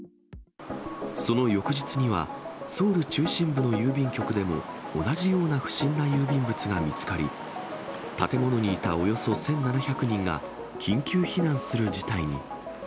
その翌日には、ソウル中心部の郵便局でも、同じような不審な郵便物が見つかり、建物にいたおよそ１７００人が、緊急避難する事態に。